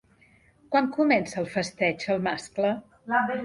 Quan comença el festeig el mascle?